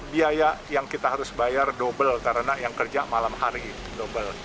biaya yang kita harus bayar double karena yang kerja malam hari double